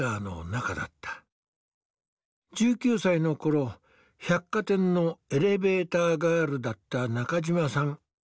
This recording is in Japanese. １９歳の頃百貨店のエレベーターガールだった中嶋さん。